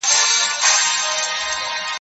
ما مخکي د سبا لپاره د سوالونو جواب ورکړی وو،